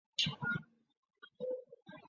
秃剌之子为越王阿剌忒纳失里。